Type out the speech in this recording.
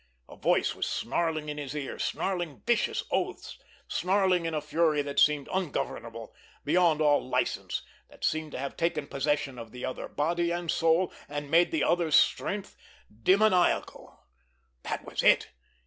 A voice was snarling in his ear, snarling vicious oaths, snarling in a fury that seemed ungovernable, beyond all license, that seemed to have taken possession of the other, body and soul, and made the other's strength demoniacal. That was it!